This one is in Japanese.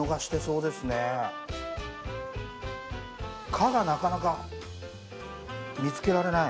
「か」がなかなか見つけられない。